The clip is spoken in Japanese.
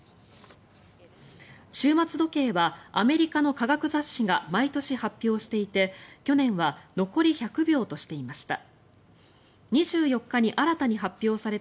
終末時計はアメリカの科学雑誌が毎年発表していて去年は残り１００秒としていました。